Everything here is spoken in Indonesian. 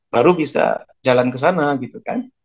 baru bisa jalan ke sana gitu kan